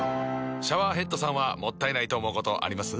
シャワーヘッドさんはもったいないと思うことあります？